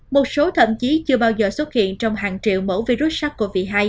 một số thậm chí chưa bao giờ xuất hiện trong hàng triệu mẫu virus sars cov hai